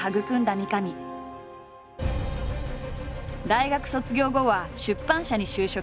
大学卒業後は出版社に就職。